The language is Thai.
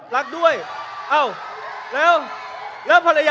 รักด้วย